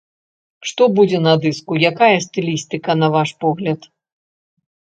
Што будзе на дыску, якая стылістыка, на ваш погляд?